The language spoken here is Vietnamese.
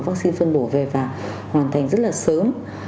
vắc xin phân bổ về và hoàn thành rất là sớm